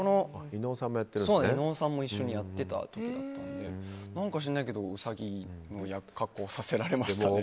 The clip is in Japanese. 伊野尾さんも一緒にやってたみたいで何か知らないけどその格好をさせられましたね。